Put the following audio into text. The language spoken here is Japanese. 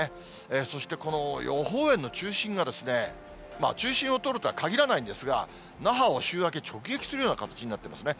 そしてこの予報円の中心が、中心を通るとはかぎらないんですが、那覇を週明け、直撃するような形になってますね。